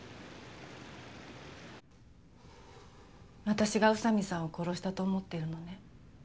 私が宇佐美さんを殺したと思ってるのね？